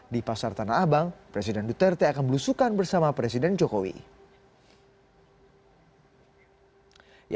di pasar tanah abang presiden duterte akan belusukan bersama presiden jokowi